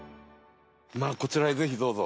こちらへぜひどうぞ。